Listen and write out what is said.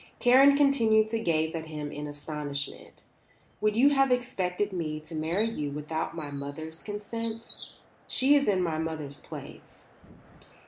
Karen continued to gaze at him in astonishment. "Would you have expected me to marry you without my mother's consent? She is in my mother's place."